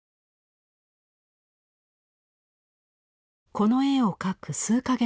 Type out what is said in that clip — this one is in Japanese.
この絵を描く数か月